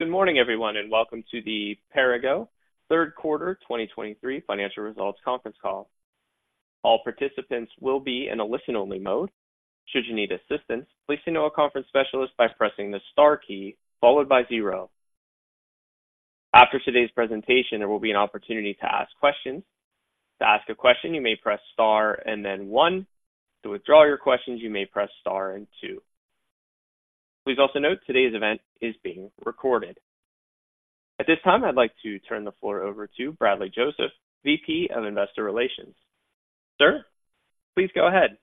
Good morning, everyone, and welcome to the Perrigo Q3 2023 Financial Results Conference Call. All participants will be in a listen-only mode. Should you need assistance, please speak to a conference specialist by pressing the Star key followed by zero. After today's presentation, there will be an opportunity to ask questions. To ask a question, you may press Star and then One. To withdraw your questions, you may press Star and Two. Please also note today's event is being recorded. At this time, I'd like to turn the floor over to Bradley Joseph, VP of Investor Relations. Sir, please go ahead.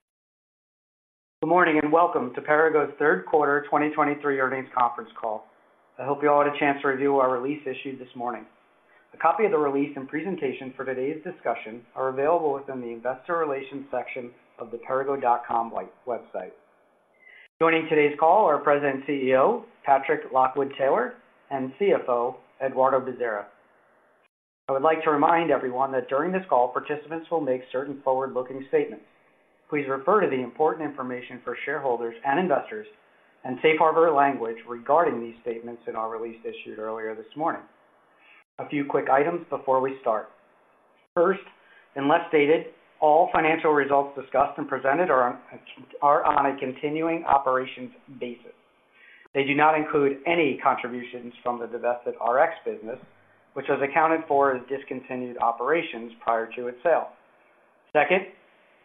Good morning, and welcome to Perrigo's Q3 2023 Earnings Conference Call. I hope you all had a chance to review our release issued this morning. A copy of the release and presentation for today's discussion are available within the Investor Relations section of the perrigo.com website. Joining today's call are President and CEO, Patrick Lockwood-Taylor, and CFO, Eduardo Bezerra. I would like to remind everyone that during this call, participants will make certain forward-looking statements. Please refer to the important information for shareholders and investors, and safe harbor language regarding these statements in our release issued earlier this morning. A few quick items before we start. First, unless stated, all financial results discussed and presented are on a continuing operations basis. They do not include any contributions from the divested Rx business, which was accounted for as discontinued operations prior to its sale. Second,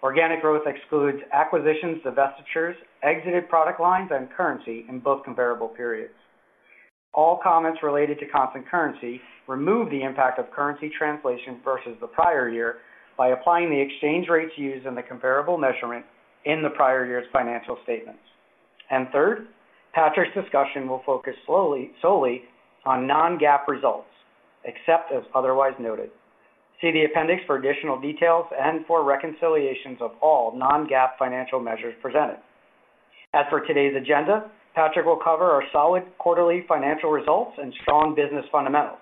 organic growth excludes acquisitions, divestitures, exited product lines, and currency in both comparable periods. All comments related to constant currency remove the impact of currency translation versus the prior year by applying the exchange rates used in the comparable measurement in the prior year's financial statements. And third, Patrick's discussion will focus solely on non-GAAP results, except as otherwise noted. See the appendix for additional details and for reconciliations of all non-GAAP financial measures presented. As for today's agenda, Patrick will cover our solid quarterly financial results and strong business fundamentals.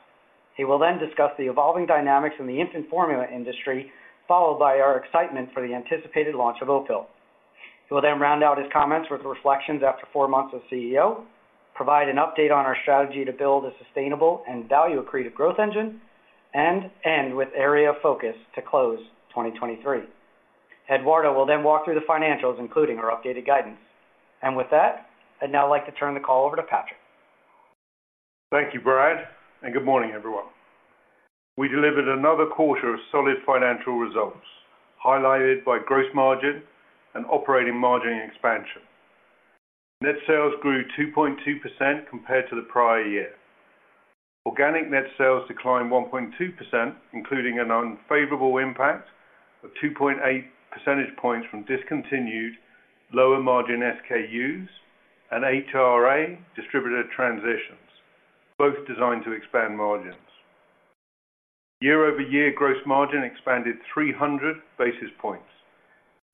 He will then discuss the evolving dynamics in the infant formula industry, followed by our excitement for the anticipated launch of Opill. He will then round out his comments with reflections after four months of CEO, provide an update on our strategy to build a sustainable and value-accretive growth engine, and end with area of focus to close 2023. Eduardo will then walk through the financials, including our updated guidance. With that, I'd now like to turn the call over to Patrick. Thank you, Brad, and good morning, everyone. We delivered another quarter of solid financial results, highlighted by gross margin and operating margin expansion. Net sales grew 2.2% compared to the prior year. Organic net sales declined 1.2%, including an unfavorable impact of 2.8 percentage points from discontinued lower-margin SKUs and HRA distributor transitions, both designed to expand margins. Year-over-year gross margin expanded 300 basis points,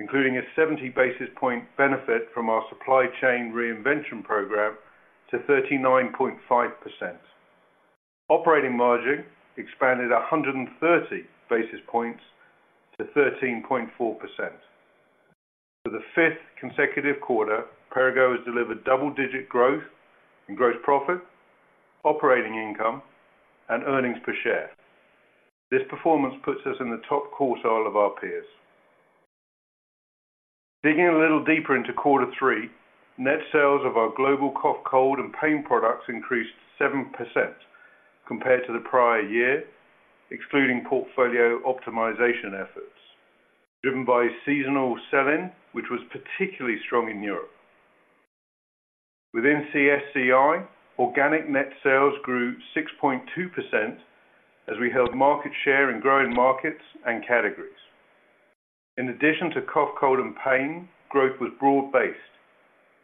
including a 70 basis point benefit from our Supply Chain Reinvention Program to 39.5%. Operating margin expanded 130 basis points to 13.4%. For the fifth consecutive quarter, Perrigo has delivered double-digit growth in gross profit, operating income, and EPS. This performance puts us in the top quartile of our peers. Digging a little deeper into quarter three, net sales of our global cough, cold, and pain products increased 7% compared to the prior year, excluding portfolio optimization efforts, driven by seasonal selling, which was particularly strong in Europe. Within CSCI, organic net sales grew 6.2% as we held market share in growing markets and categories. In addition to cough, cold, and pain, growth was broad-based,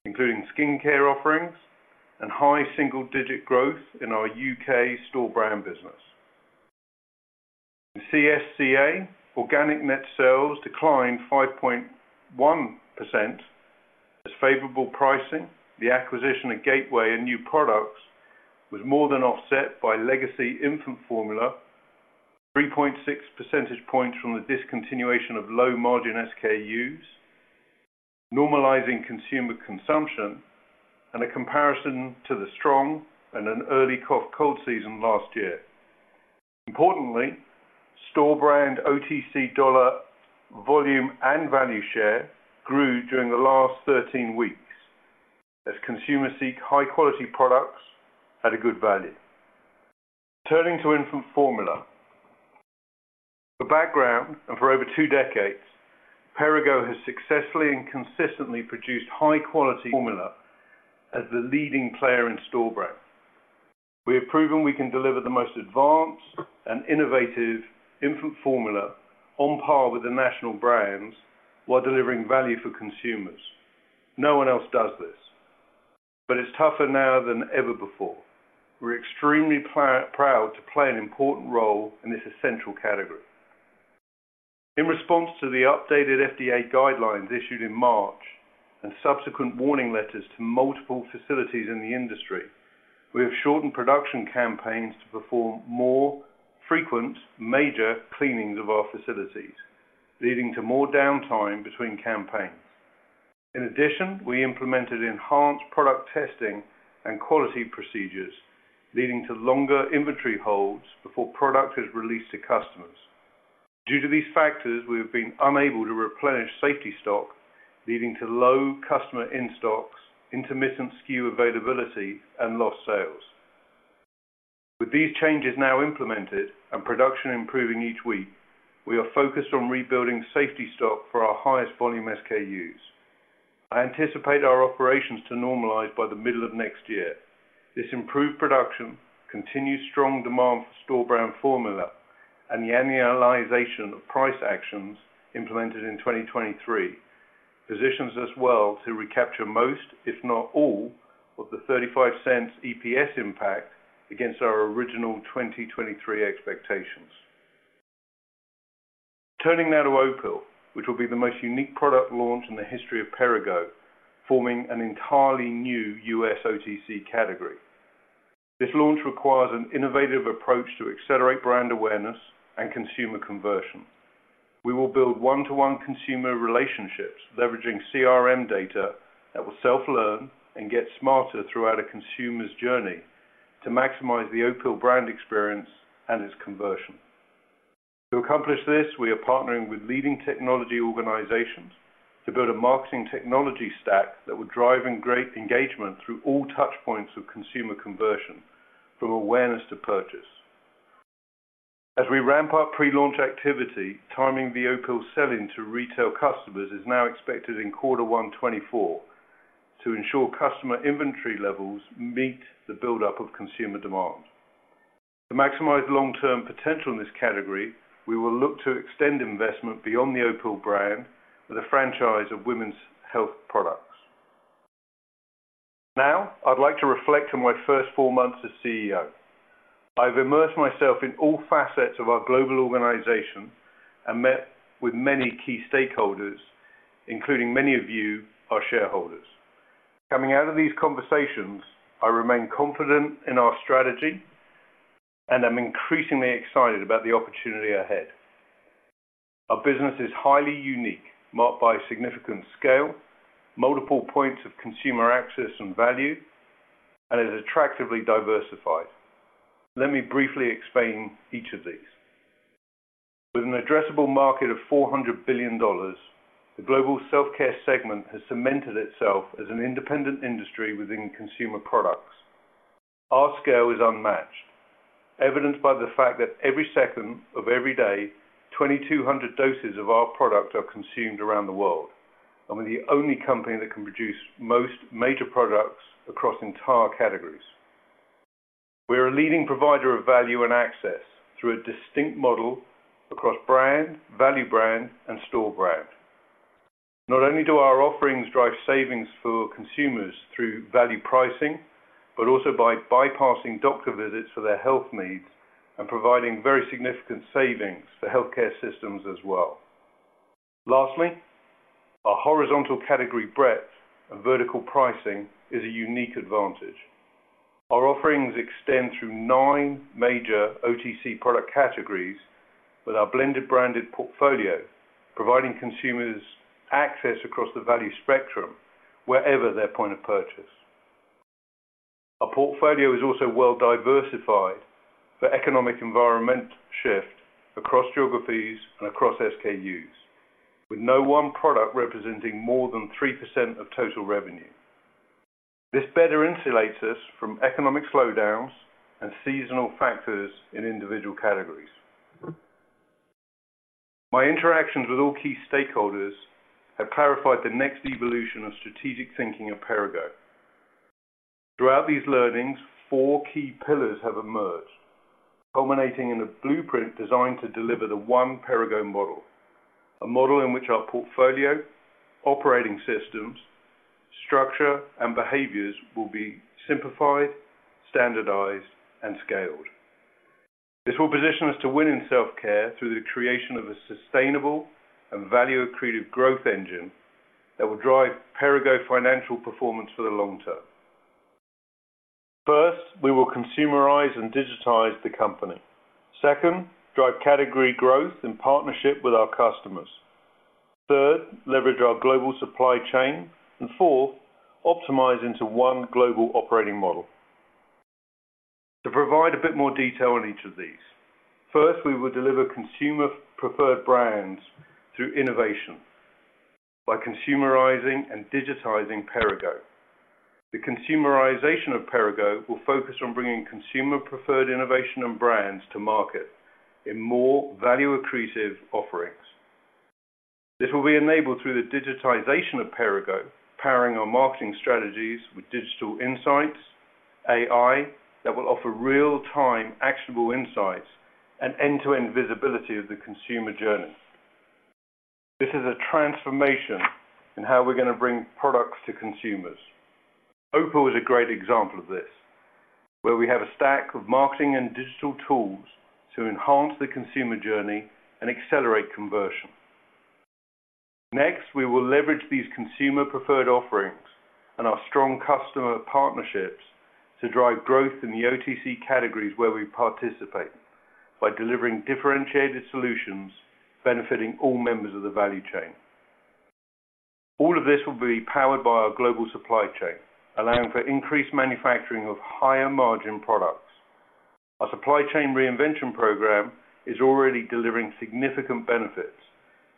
including skincare offerings and high single-digit growth in our UK store brand business. In CSCA, organic net sales declined 5.1% as favorable pricing, the acquisition of Gateway and new products was more than offset by legacy infant formula, 3.6 percentage points from the discontinuation of low-margin SKUs, normalizing consumer consumption, and a comparison to the strong and an early cough, cold season last year. Importantly, store brand OTC dollar volume and value share grew during the last 13 weeks as consumers seek high-quality products at a good value. Turning to infant formula. For background, and for over two decades, Perrigo has successfully and consistently produced high-quality formula as the leading player in store brand. We have proven we can deliver the most advanced and innovative infant formula on par with the national brands, while delivering value for consumers. No one else does this, but it's tougher now than ever before. We're extremely proud to play an important role in this essential category. In response to the updated FDA guidelines issued in March and subsequent warning letters to multiple facilities in the industry, we have shortened production campaigns to perform more frequent major cleanings of our facilities, leading to more downtime between campaigns. In addition, we implemented enhanced product testing and quality procedures, leading to longer inventory holds before product is released to customers. Due to these factors, we've been unable to replenish safety stock, leading to low customer in-stocks, intermittent SKU availability, and lost sales. With these changes now implemented and production improving each week, we are focused on rebuilding safety stock for our highest volume SKUs. I anticipate our operations to normalize by the middle of next year. This improved production, continued strong demand for store brand formula, and the annualization of price actions implemented in 2023, positions us well to recapture most, if not all, of the $0.35 EPS impact against our original 2023 expectations. Turning now to Opill, which will be the most unique product launch in the history of Perrigo, forming an entirely new US OTC category. This launch requires an innovative approach to accelerate brand awareness and consumer conversion. We will build one-to-one consumer relationships, leveraging CRM data that will self-learn and get smarter throughout a consumer's journey, to maximize the Opill brand experience and its conversion. To accomplish this, we are partnering with leading technology organizations to build a marketing technology stack that will drive engagement through all touch points of consumer conversion, from awareness to purchase. As we ramp up pre-launch activity, timing the Opill sell-in to retail customers is now expected in Q1 2024, to ensure customer inventory levels meet the buildup of consumer demand. To maximize long-term potential in this category, we will look to extend investment beyond the Opill brand with a franchise of women's health products. Now, I'd like to reflect on my first four months as CEO. I've immersed myself in all facets of our global organization and met with many key stakeholders, including many of you, our shareholders. Coming out of these conversations, I remain confident in our strategy, and I'm increasingly excited about the opportunity ahead. Our business is highly unique, marked by significant scale, multiple points of consumer access and value, and is attractively diversified. Let me briefly explain each of these. With an addressable market of $400 billion, the global self-care segment has cemented itself as an independent industry within consumer products. Our scale is unmatched, evidenced by the fact that every second of every day, 2,200 doses of our product are consumed around the world, and we're the only company that can produce most major products across entire categories. We are a leading provider of value and access through a distinct model across brand, value brand, and store brand. Not only do our offerings drive savings for consumers through value pricing, but also by bypassing doctor visits for their health needs and providing very significant savings for healthcare systems as well. Lastly, our horizontal category breadth and vertical pricing is a unique advantage. Our offerings extend through nine major OTC product categories with our blended branded portfolio, providing consumers access across the value spectrum wherever their point of purchase. Our portfolio is also well-diversified for economic environment shift across geographies and across SKUs, with no one product representing more than 3% of total revenue. This better insulates us from economic slowdowns and seasonal factors in individual categories. My interactions with all key stakeholders have clarified the next evolution of strategic thinking of Perrigo. Throughout these learnings, four key pillars have emerged, culminating in a blueprint designed to deliver the One Perrigo model. A model in which our portfolio, operating systems, structure, and behaviors will be simplified, standardized, and scaled. This will position us to win in self-care through the creation of a sustainable and value-accretive growth engine, that will drive Perrigo financial performance for the long term. First, we will consumerize and digitize the company. Second, drive category growth in partnership with our customers. Third, leverage our global supply chain, and fourth, optimize into one global operating model. To provide a bit more detail on each of these. First, we will deliver consumer preferred brands through innovation by consumerizing and digitizing Perrigo. The consumerization of Perrigo will focus on bringing consumer preferred innovation and brands to market in more value accretive offerings. This will be enabled through the digitization of Perrigo, powering our marketing strategies with digital insights, AI, that will offer real-time, actionable insights and end-to-end visibility of the consumer journey. This is a transformation in how we're gonna bring products to consumers. Opill is a great example of this, where we have a stack of marketing and digital tools to enhance the consumer journey and accelerate conversion. Next, we will leverage these consumer preferred offerings.... Our strong customer partnerships to drive growth in the OTC categories where we participate, by delivering differentiated solutions, benefiting all members of the value chain. All of this will be powered by our global supply chain, allowing for increased manufacturing of higher margin products. Our supply chain reinvention program is already delivering significant benefits,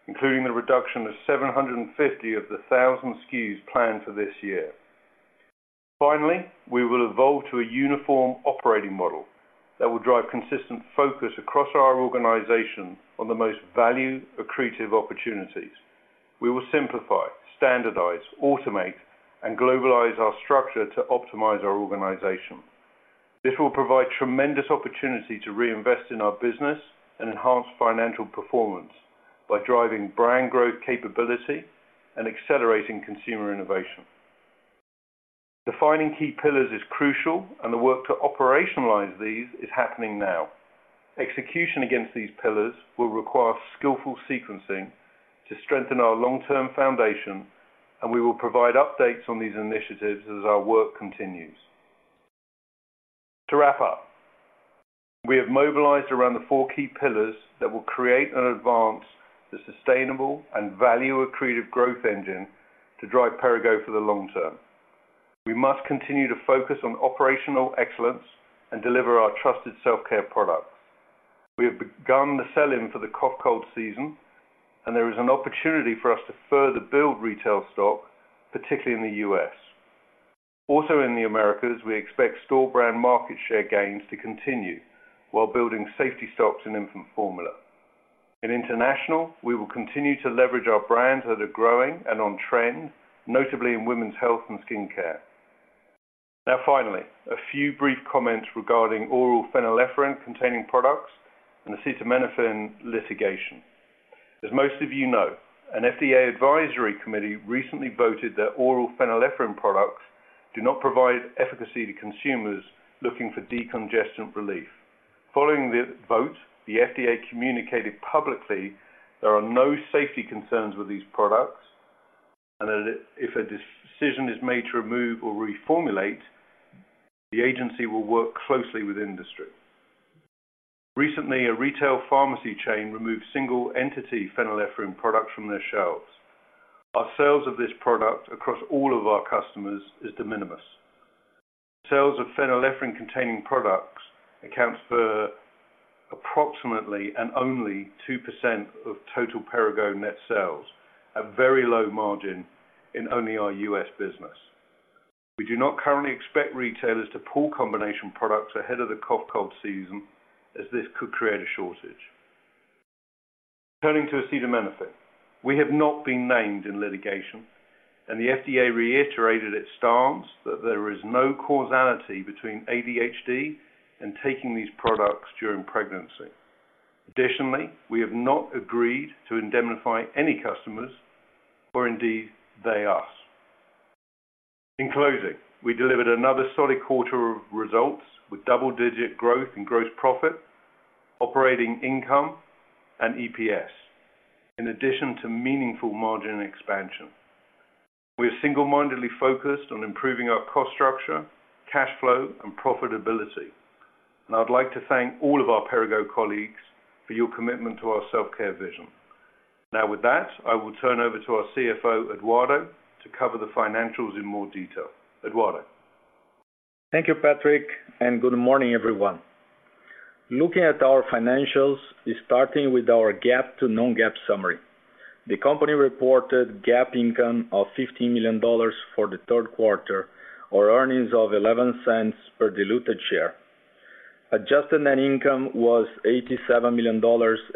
including the reduction of 750 of the 1,000 SKUs planned for this year. Finally, we will evolve to a uniform operating model that will drive consistent focus across our organization on the most value accretive opportunities. We will simplify, standardize, automate, and globalize our structure to optimize our organization. This will provide tremendous opportunity to reinvest in our business and enhance financial performance, by driving brand growth capability and accelerating consumer innovation. Defining key pillars is crucial, and the work to operationalize these is happening now. Execution against these pillars will require skillful sequencing to strengthen our long-term foundation, and we will provide updates on these initiatives as our work continues. To wrap up, we have mobilized around the four key pillars that will create and advance the sustainable and value accretive growth engine to drive Perrigo for the long term. We must continue to focus on operational excellence and deliver our trusted self-care products. We have begun the sell-in for the cough, cold season, and there is an opportunity for us to further build retail stock, particularly in the US. Also, in the Americas, we expect store brand market share gains to continue while building safety stocks and infant formula. In International, we will continue to leverage our brands that are growing and on trend, notably in women's health and skincare. Now, finally, a few brief comments regarding oral phenylephrine-containing products and acetaminophen litigation. As most of you know, an FDA advisory committee recently voted that oral phenylephrine products do not provide efficacy to consumers looking for decongestant relief. Following the vote, the FDA communicated publicly there are no safety concerns with these products, and that if a decision is made to remove or reformulate, the agency will work closely with industry. Recently, a retail pharmacy chain removed single entity phenylephrine products from their shelves. Our sales of this product across all of our customers is de minimis. Sales of phenylephrine-containing products accounts for approximately and only 2% of total Perrigo net sales, at very low margin in only our US business. We do not currently expect retailers to pull combination products ahead of the cough, cold season, as this could create a shortage. Turning to acetaminophen, we have not been named in litigation, and the FDA reiterated its stance that there is no causality between ADHD and taking these products during pregnancy. Additionally, we have not agreed to indemnify any customers, or indeed, they us. In closing, we delivered another solid quarter of results, with double-digit growth in gross profit, operating income, and EPS, in addition to meaningful margin expansion. We are single-mindedly focused on improving our cost structure, cash flow, and profitability. And I'd like to thank all of our Perrigo colleagues for your commitment to our self-care vision. Now, with that, I will turn over to our CFO, Eduardo, to cover the financials in more detail. Eduardo? Thank you, Patrick, and good morning, everyone. Looking at our financials, starting with our GAAP to non-GAAP summary. The company reported GAAP income of $50 million for the Q3, or earnings of $0.11 per diluted share. Adjusted net income was $87 million,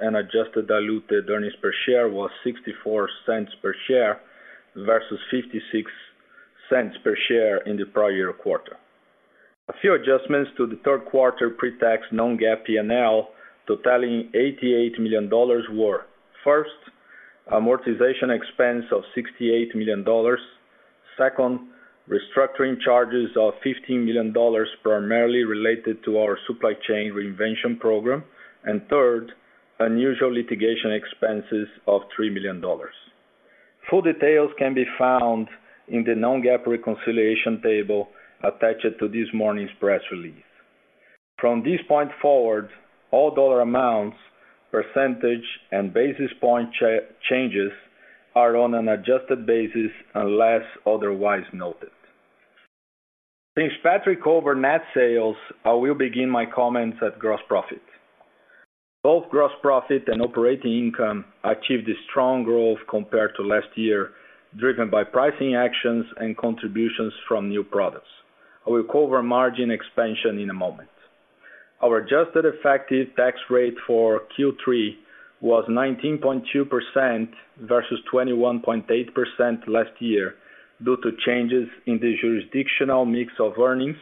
and adjusted diluted EPS was $0.64 per share, versus $0.56 per share in the prior year quarter. A few adjustments to the Q3 pre-tax non-GAAP PNL, totaling $88 million were, first, amortization expense of $68 million. Second, restructuring charges of $15 million, primarily related to our supply chain reinvention program. And third, unusual litigation expenses of $3 million. Full details can be found in the non-GAAP reconciliation table attached to this morning's press release. From this point forward, all dollar amounts, percentage, and basis point changes are on an adjusted basis unless otherwise noted. Since Patrick covered net sales, I will begin my comments at gross profit. Both gross profit and operating income achieved a strong growth compared to last year, driven by pricing actions and contributions from new products. I will cover margin expansion in a moment. Our adjusted effective tax rate for Q3 was 19.2% versus 21.8% last year, due to changes in the jurisdictional mix of earnings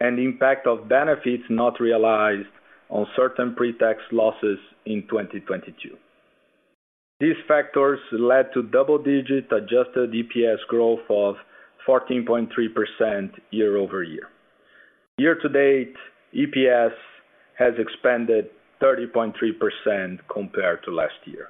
and the impact of benefits not realized on certain pre-tax losses in 2022. These factors led to double-digit adjusted EPS growth of 14.3% year over year. Year to date, EPS has expanded 30.3% compared to last year.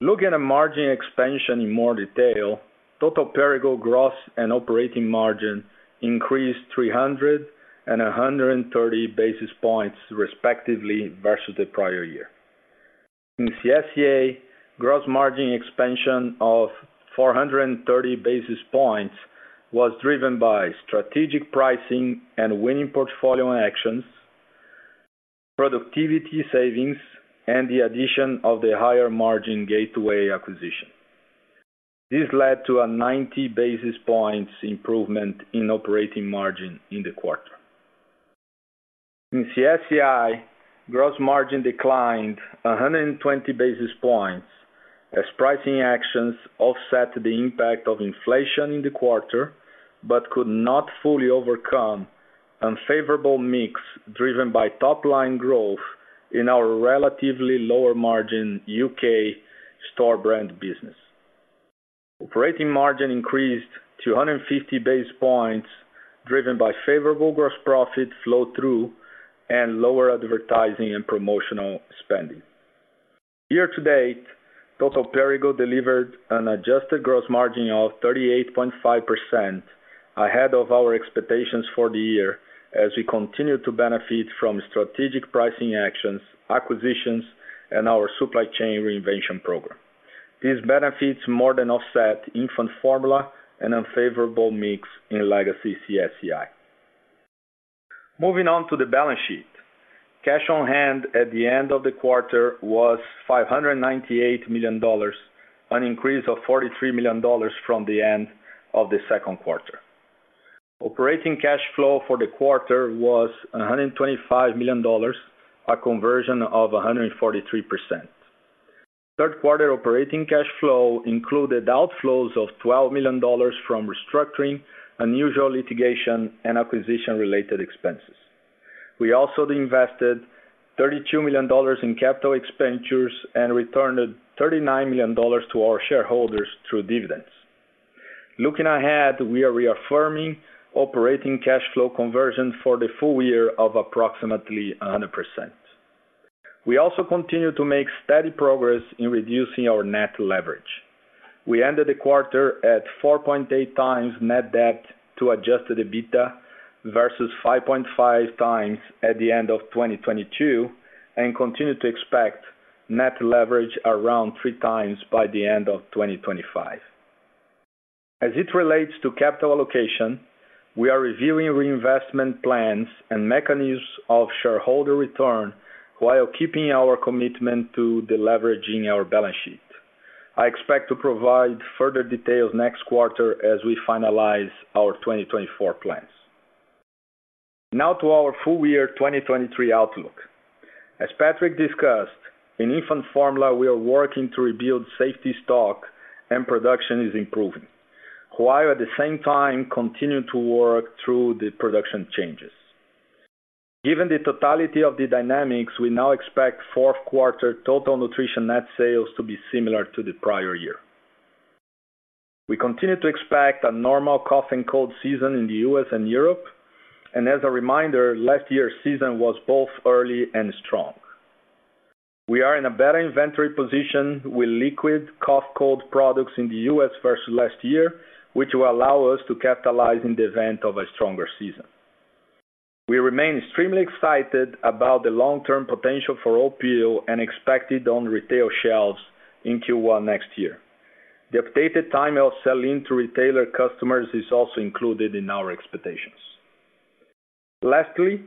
Looking at margin expansion in more detail, Total Perrigo gross and operating margin increased 300 and 130 basis points, respectively, versus the prior year. In CSCA, gross margin expansion of 430 basis points was driven by strategic pricing and winning portfolio actions, productivity savings, and the addition of the higher margin Gateway acquisition. This led to a 90 basis points improvement in operating margin in the quarter. In CSCI, gross margin declined 120 basis points as pricing actions offset the impact of inflation in the quarter, but could not fully overcome unfavorable mix, driven by top-line growth in our relatively lower margin UK store brand business. Operating margin increased to 150 basis points, driven by favorable gross profit flow-through and lower advertising and promotional spending. Year to date, Total Perrigo delivered an adjusted gross margin of 38.5%, ahead of our expectations for the year, as we continue to benefit from strategic pricing actions, acquisitions, and our supply chain reinvention program. These benefits more than offset infant formula and unfavorable mix in legacy CSCI. Moving on to the balance sheet. Cash on hand at the end of the quarter was $598 million, an increase of $43 million from the end of the Q2. Operating cash flow for the quarter was $125 million, a conversion of 143%. Q3 operating cash flow included outflows of $12 million from restructuring, unusual litigation, and acquisition-related expenses. We also invested $32 million in capital expenditures and returned $39 million to our shareholders through dividends. Looking ahead, we are reaffirming operating cash flow conversion for the full year of approximately 100%. We also continue to make steady progress in reducing our net leverage. We ended the quarter at 4.8 times net debt to Adjusted EBITDA, versus 5.5 times at the end of 2022, and continue to expect Net Leverage around 3 times by the end of 2025. As it relates to capital allocation, we are reviewing reinvestment plans and mechanisms of shareholder return while keeping our commitment to deleveraging our balance sheet. I expect to provide further details next quarter as we finalize our 2024 plans. Now to our full year 2023 outlook. As Patrick discussed, in infant formula, we are working to rebuild safety stock, and production is improving, while at the same time continuing to work through the production changes. Given the totality of the dynamics, we now expect Q4 total nutrition net sales to be similar to the prior year. We continue to expect a normal cough and cold season in the U.S. and Europe, and as a reminder, last year's season was both early and strong. We are in a better inventory position with liquid cough, cold products in the US versus last year, which will allow us to capitalize in the event of a stronger season. We remain extremely excited about the long-term potential for Opill and expect it on retail shelves in Q1 next year. The updated time of selling to retailer customers is also included in our expectations. Lastly,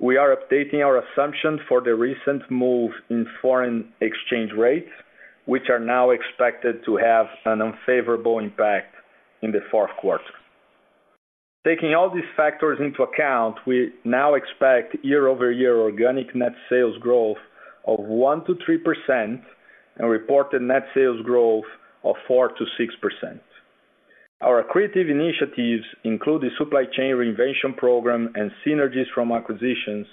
we are updating our assumptions for the recent move in foreign exchange rates, which are now expected to have an unfavorable impact in the Q4. Taking all these factors into account, we now expect year-over-year organic net sales growth of 1%-3% and reported net sales growth of 4%-6%. Our accretive initiatives, including supply chain reinvention program and synergies from acquisitions,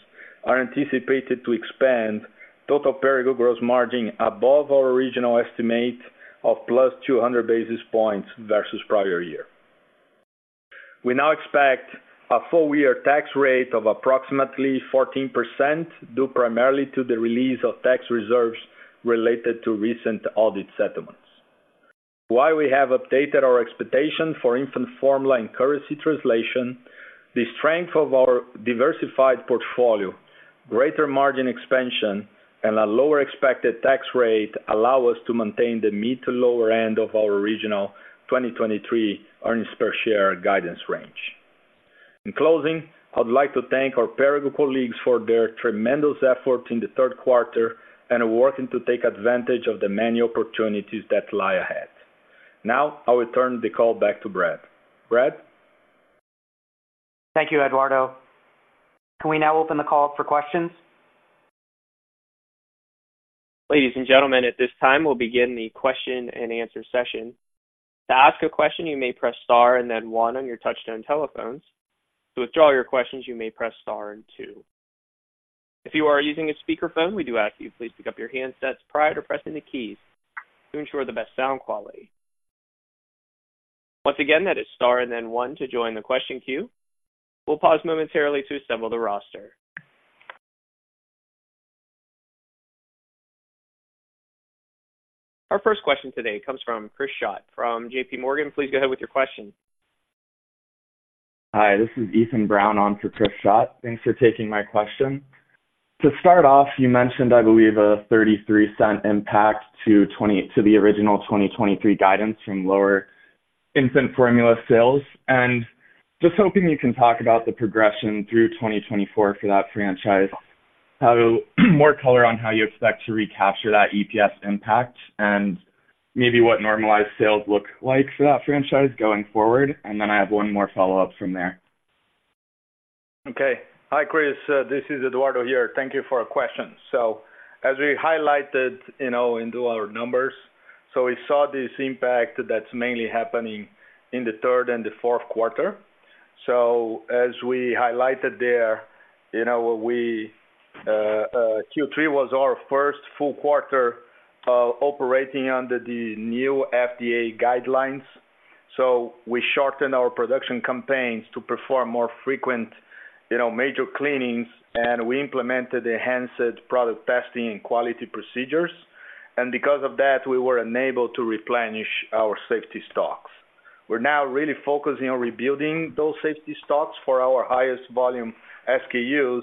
are anticipated to expand total Perrigo gross margin above our original estimate of plus 200 basis points versus prior year. We now expect a full year tax rate of approximately 14%, due primarily to the release of tax reserves related to recent audit settlements. While we have updated our expectation for infant formula and currency translation, the strength of our diversified portfolio, greater margin expansion, and a lower expected tax rate allow us to maintain the mid to lower end of our original 2023 EPS guidance range. In closing, I'd like to thank our Perrigo colleagues for their tremendous efforts in the Q3 and are working to take advantage of the many opportunities that lie ahead. Now I will turn the call back to Brad. Brad? Thank you, Eduardo. Can we now open the call up for questions? Ladies and gentlemen, at this time, we'll begin the question-and-answer session. To ask a question, you may press star and then one on your touch-tone telephones. To withdraw your questions, you may press star and two. If you are using a speakerphone, we do ask you please pick up your handsets prior to pressing the keys to ensure the best sound quality.... Once again, that is star and then one to join the question queue. We'll pause momentarily to assemble the roster. Our first question today comes from Chris Schott from J.P. Morgan. Please go ahead with your question. Hi, this is Ethan Brown on for Chris Schott. Thanks for taking my question. To start off, you mentioned, I believe, a $0.33 impact to the original 2023 guidance from lower infant formula sales, and just hoping you can talk about the progression through 2024 for that franchise, how more color on how you expect to recapture that EPS impact and maybe what normalized sales look like for that franchise going forward. And then I have one more follow-up from there. Okay. Hi, Chris. This is Eduardo here. Thank you for your question. So as we highlighted, you know, into our numbers, so we saw this impact that's mainly happening in the third and the Q4. So as we highlighted there, you know, we Q3 was our first full quarter operating under the new FDA guidelines. So we shortened our production campaigns to perform more frequent, you know, major cleanings, and we implemented enhanced product testing and quality procedures. And because of that, we were unable to replenish our safety stocks. We're now really focusing on rebuilding those safety stocks for our highest volume SKUs,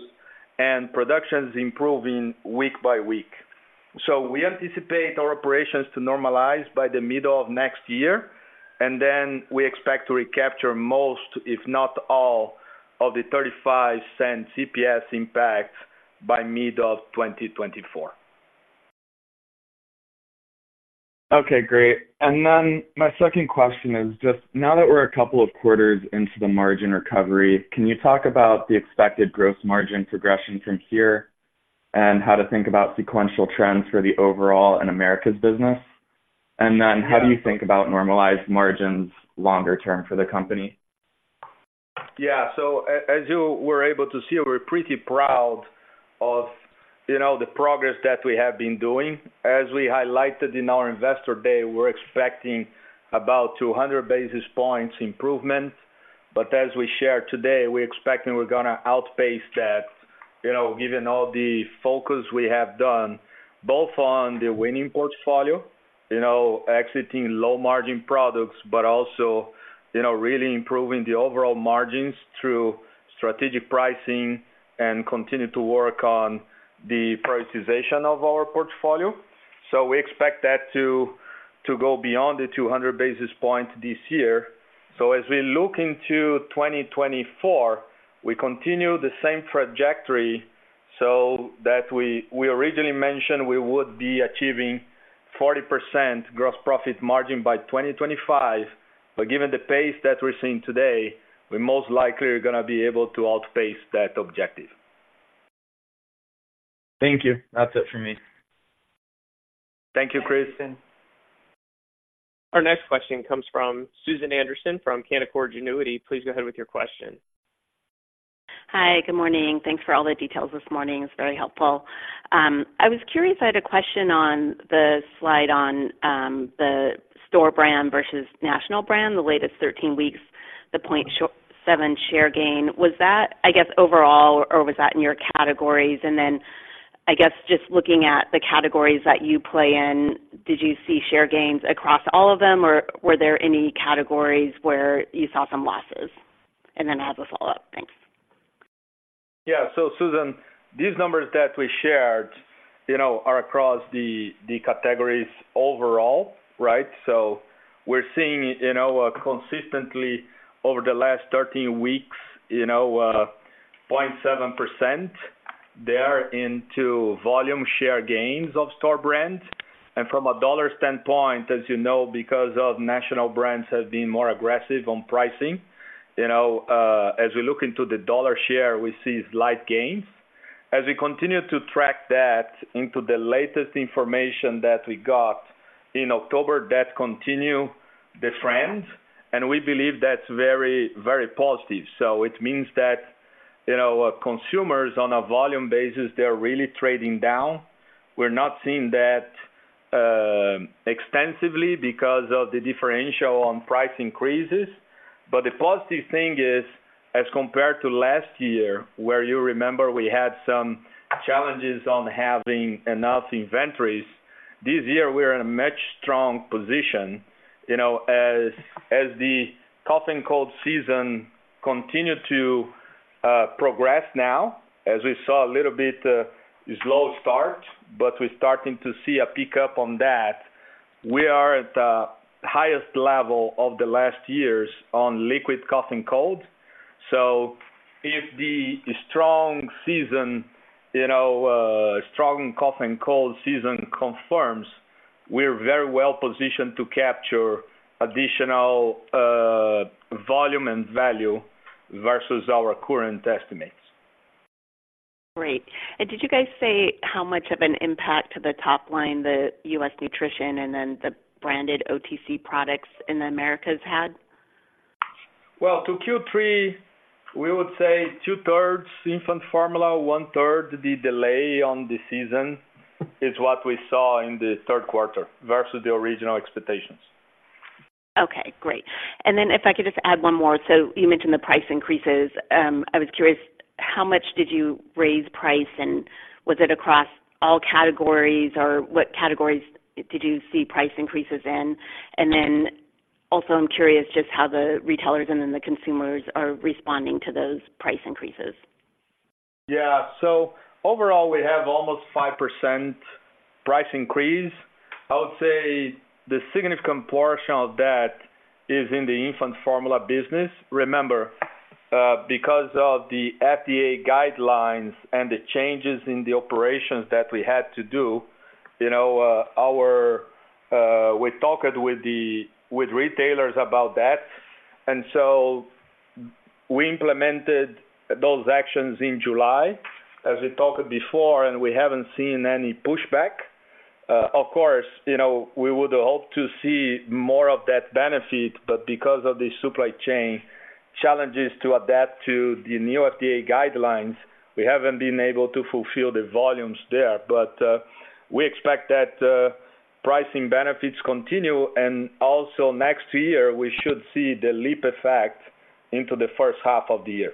and production is improving week by week. So we anticipate our operations to normalize by the middle of next year, and then we expect to recapture most, if not all, of the 0.35 EPS impact by mid-2024. Okay, great. And then my second question is just, now that we're a couple of quarters into the margin recovery, can you talk about the expected gross margin progression from here and how to think about sequential trends for the overall in Americas business? And then how do you think about normalized margins longer term for the company? Yeah. So as you were able to see, we're pretty proud of, you know, the progress that we have been doing. As we highlighted in our Investor Day, we're expecting about 200 basis points improvement, but as we shared today, we're expecting we're gonna outpace that, you know, given all the focus we have done, both on the winning portfolio, you know, exiting low margin products, but also, you know, really improving the overall margins through strategic pricing and continue to work on the prioritization of our portfolio. So we expect that to go beyond the 200 basis points this year. So as we look into 2024, we continue the same trajectory, so that we, we originally mentioned we would be achieving 40% gross profit margin by 2025. But given the pace that we're seeing today, we most likely are gonna be able to outpace that objective. Thank you. That's it for me. Thank you, Chris. Our next question comes from Susan Anderson from Canaccord Genuity. Please go ahead with your question. Hi, good morning. Thanks for all the details this morning. It's very helpful. I was curious, I had a question on the slide on the store brand versus national brand, the latest 13 weeks, the 0.7 share gain. Was that, I guess, overall, or was that in your categories? And then, I guess, just looking at the categories that you play in, did you see share gains across all of them, or were there any categories where you saw some losses? And then I have a follow-up. Thanks. Yeah. So Susan, these numbers that we shared, you know, are across the, the categories overall, right? So we're seeing, you know, consistently over the last 13 weeks, you know, 0.7% there into volume share gains of store brands. And from a dollar standpoint, as you know, because of national brands have been more aggressive on pricing, you know, as we look into the dollar share, we see slight gains. As we continue to track that into the latest information that we got in October, that continue the trend, and we believe that's very, very positive. So it means that, you know, consumers, on a volume basis, they're really trading down. We're not seeing that extensively because of the differential on price increases. But the positive thing is, as compared to last year, where you remember we had some challenges on having enough inventories, this year we are in a much strong position. You know, as, as the cough and cold season continue to progress now, as we saw a little bit slow start, but we're starting to see a pickup on that. We are at the highest level of the last years on liquid cough and cold. So if the strong season, you know, strong cough and cold season confirms, we're very well positioned to capture additional volume and value versus our current estimates. Great. Did you guys say how much of an impact to the top line, the U.S. nutrition and then the branded OTC products in the Americas had?... Well, to Q3, we would say two-thirds infant formula, 1/3 the delay on the season is what we saw in the Q3 versus the original expectations. Okay, great. And then if I could just add one more. So you mentioned the price increases. I was curious, how much did you raise price, and was it across all categories, or what categories did you see price increases in? And then also, I'm curious just how the retailers and then the consumers are responding to those price increases. Yeah. So overall, we have almost 5% price increase. I would say the significant portion of that is in the infant formula business. Remember, because of the FDA guidelines and the changes in the operations that we had to do, you know, our we talked with retailers about that, and so we implemented those actions in July, as we talked before, and we haven't seen any pushback. Of course, you know, we would hope to see more of that benefit, but because of the supply chain challenges to adapt to the new FDA guidelines, we haven't been able to fulfill the volumes there. But we expect that pricing benefits continue, and also next year, we should see the leap effect into the first half of the year.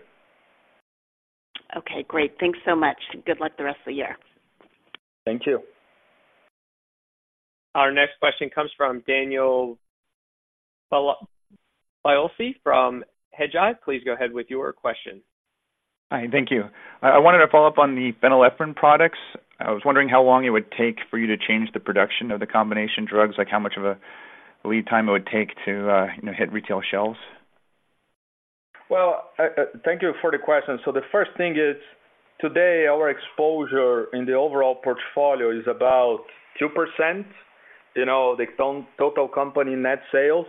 Okay, great. Thanks so much. Good luck the rest of the year. Thank you. Our next question comes from Daniel Biolsi from Hedgeye. Please go ahead with your question. Hi, thank you. I wanted to follow up on the Phenylephrine products. I was wondering how long it would take for you to change the production of the combination drugs, like how much of a lead time it would take to, you know, hit retail shelves? Well, thank you for the question. So the first thing is, today, our exposure in the overall portfolio is about 2%, you know, the total company net sales.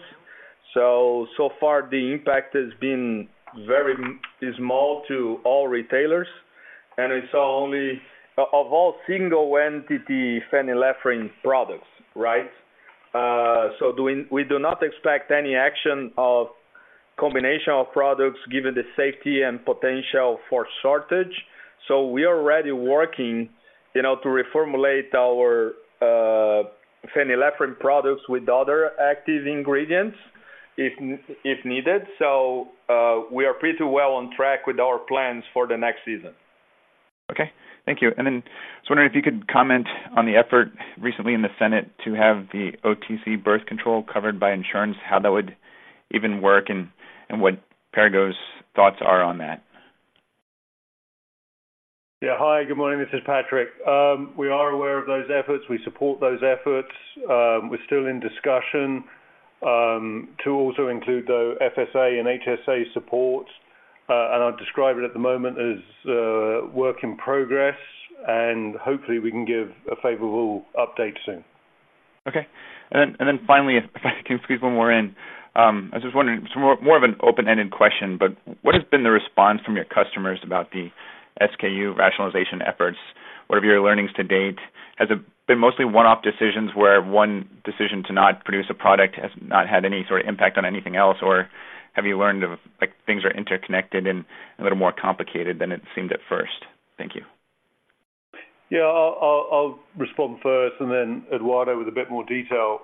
So far, the impact has been very small to all retailers, and it's only of all single entity Phenylephrine products, right? So we do not expect any action of combination of products, given the safety and potential for shortage. So we are already working, you know, to reformulate our Phenylephrine products with other active ingredients, if needed. So, we are pretty well on track with our plans for the next season. Okay. Thank you. And then I was wondering if you could comment on the effort recently in the Senate to have the OTC birth control covered by insurance, how that would even work, and what Perrigo's thoughts are on that. Yeah. Hi, good morning. This is Patrick. We are aware of those efforts. We support those efforts. We're still in discussion to also include the FSA and HSA support. And I'd describe it at the moment as work in progress, and hopefully we can give a favorable update soon. Okay. And then finally, if I can squeeze one more in. I was just wondering, so more of an open-ended question, but what has been the response from your customers about the SKU rationalization efforts? What have you been learnings to date? Has it been mostly one-off decisions, where one decision to not produce a product has not had any sort of impact on anything else? Or have you learned of, like, things are interconnected and a little more complicated than it seemed at first? Thank you. Yeah, I'll respond first, and then Eduardo with a bit more detail.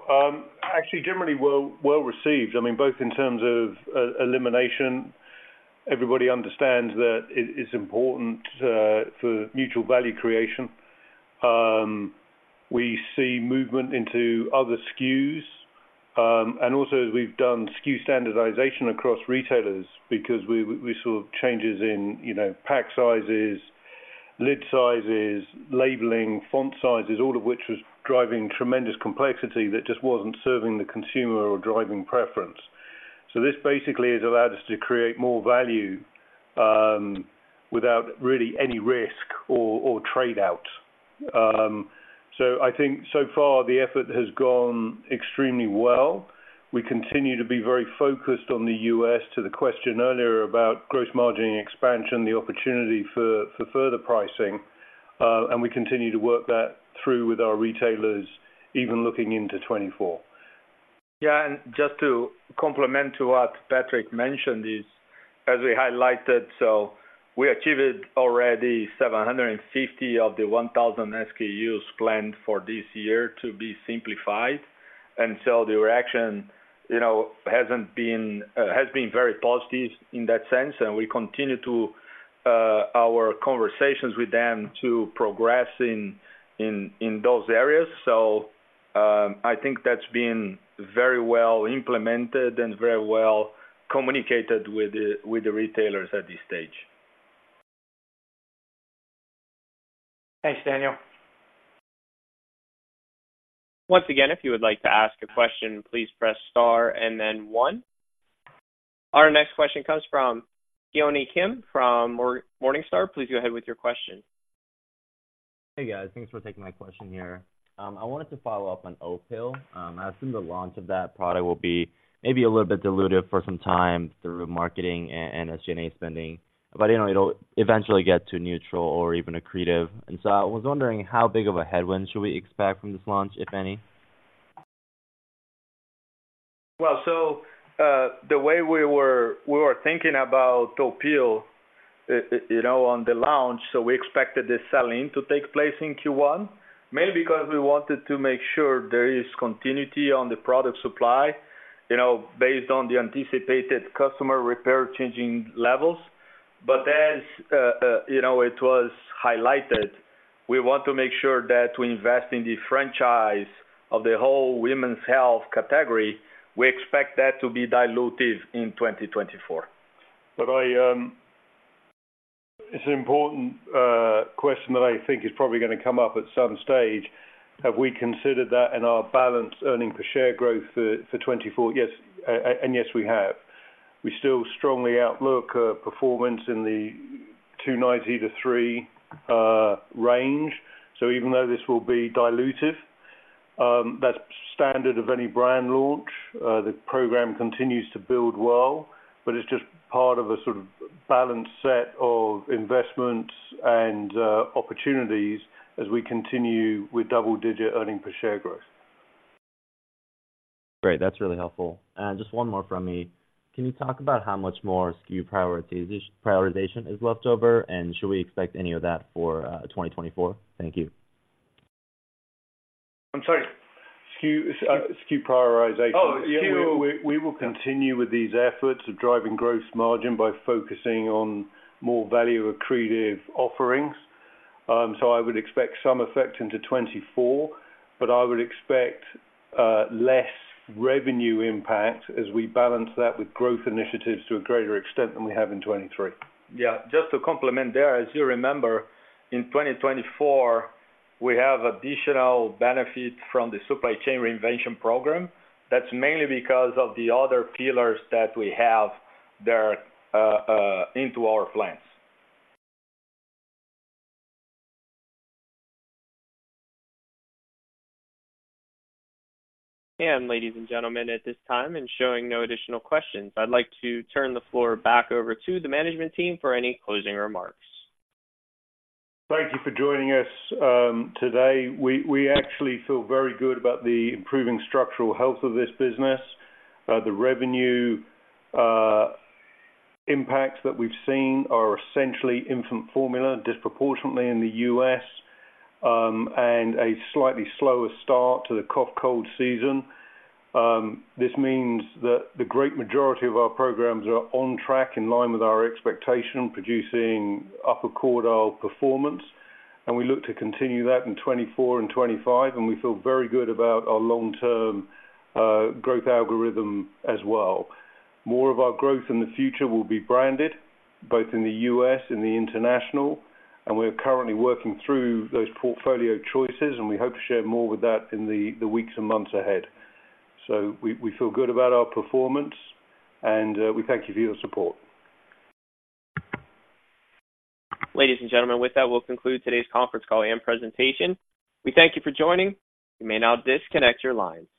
Actually, generally well received. I mean, both in terms of elimination. Everybody understands that it is important for mutual value creation. We see movement into other SKUs, and also, as we've done SKU standardization across retailers because we saw changes in, you know, pack sizes, lid sizes, labeling, font sizes, all of which was driving tremendous complexity that just wasn't serving the consumer or driving preference. So this basically has allowed us to create more value without really any risk or trade-out. So I think so far, the effort has gone extremely well. We continue to be very focused on the US, to the question earlier about gross margin expansion, the opportunity for further pricing, and we continue to work that through with our retailers, even looking into 2024. Yeah, and just to complement to what Patrick mentioned is, as we highlighted, so we achieved already 750 of the 1,000 SKUs planned for this year to be simplified. And so the reaction, you know, hasn't been, has been very positive in that sense, and we continue to our conversations with them to progress in those areas. So, I think that's been very well implemented and very well communicated with the retailers at this stage. Thanks, Daniel. Once again, if you would like to ask a question, please press star and then one. Our next question comes from Keonhee Kim from Morningstar. Please go ahead with your question. Hey, guys. Thanks for taking my question here. I wanted to follow up on Opill. I assume the launch of that product will be maybe a little bit dilutive for some time through marketing and SG&A spending. But, you know, it'll eventually get to neutral or even accretive. And so I was wondering, how big of a headwind should we expect from this launch, if any? ...Well, so, the way we were, we were thinking about Opill, you know, on the launch, so we expected the sell-in to take place in Q1, mainly because we wanted to make sure there is continuity on the product supply, you know, based on the anticipated customer repurchasing levels. But as, you know, it was highlighted, we want to make sure that we invest in the franchise of the whole women's health category. We expect that to be dilutive in 2024. But I, it's an important question that I think is probably gonna come up at some stage. Have we considered that in our balanced EPS growth for 2024? Yes, and yes, we have. We still strongly outlook performance in the $2.90-3.00 range. So even though this will be dilutive, that's standard of any brand launch. The program continues to build well, but it's just part of a sort of balanced set of investments and opportunities as we continue with double-digit EPS growth. Great, that's really helpful. And just one more from me. Can you talk about how much more SKU prioritization is left over, and should we expect any of that for 2024? Thank you. I'm sorry. SKU, SKU prioritization. Oh, SKU. We will continue with these efforts of driving gross margin by focusing on more value-accretive offerings. So I would expect some effect into 2024, but I would expect less revenue impact as we balance that with growth initiatives to a greater extent than we have in 2023. Yeah, just to complement there, as you remember, in 2024, we have additional benefits from the supply chain reinvention program. That's mainly because of the other pillars that we have there, into our plans. Ladies and gentlemen, at this time, and showing no additional questions, I'd like to turn the floor back over to the management team for any closing remarks. Thank you for joining us today. We actually feel very good about the improving structural health of this business. The revenue impacts that we've seen are essentially infant formula, disproportionately in the US, and a slightly slower start to the cough-cold season. This means that the great majority of our programs are on track, in line with our expectation, producing upper quartile performance, and we look to continue that in 2024 and 2025, and we feel very good about our long-term growth algorithm as well. More of our growth in the future will be branded, both in the US and the international, and we're currently working through those portfolio choices, and we hope to share more with that in the weeks and months ahead. So we feel good about our performance, and we thank you for your support. Ladies and gentlemen, with that, we'll conclude today's conference call and presentation. We thank you for joining. You may now disconnect your lines.